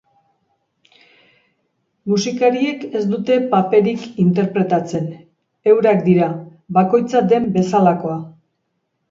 Musikariek ez dute paperik interpretatzen, eurak dira, bakoitza den bezalakoa.